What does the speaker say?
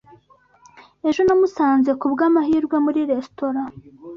Ejo namusanze kubwamahirwe muri resitora.